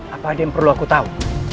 apa ada yang perlu aku tahu